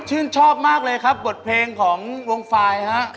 ชื่นชอบมากเลยครับบทเพลงของวงไฟล์ฮะ